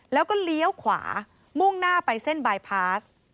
แล้วก็เลี้ยวขวามุ่งหน้าไปเส้นบายพาส